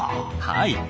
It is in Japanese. はい。